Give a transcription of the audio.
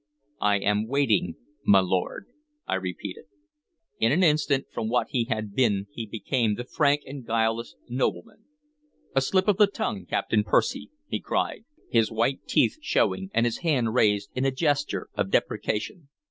"I am waiting, my lord," I repeated. In an instant, from what he had been he became the frank and guileless nobleman. "A slip of the tongue, Captain Percy!" he cried, his white teeth showing and his hand raised in a gesture of deprecation.